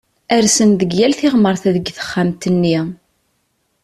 Rsen deg yal tiɣmert deg texxamt-nni